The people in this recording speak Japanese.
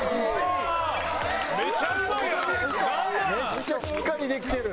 めっちゃしっかりできてる。